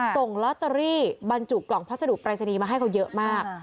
ส่งลอตเตอรี่บรรจุกล่องพัสดุปรายศนีย์มาให้เขาเยอะมาก